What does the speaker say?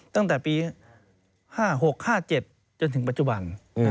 ตั้งแต่ปี๕๖๕๗จนถึงปัจจุบัน